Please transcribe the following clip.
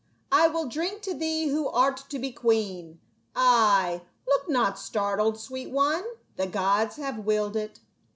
I will drink to thee who art to be queen. Ay, look not startled, sweet one, the gods have willed it."